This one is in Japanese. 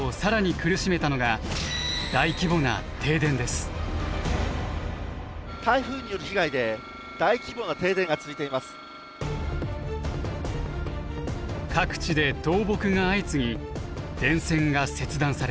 各地で倒木が相次ぎ電線が切断されました。